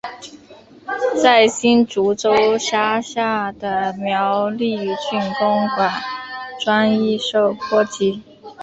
而新竹州辖下的苗栗郡公馆庄亦受波及。